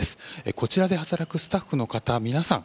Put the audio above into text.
こちらで働くスタッフの方皆さん